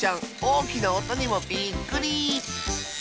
おおきなおとにもびっくり！